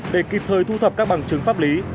để kịp thời thu thập các bằng chứng pháp lý